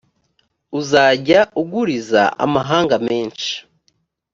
uzajya uguriza amahanga menshi,